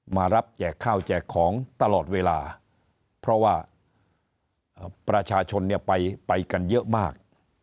มารับแจกข้าวแจกของตลอดเวลาเพราะว่าประชาชนเนี่ยไปกันเยอะมาก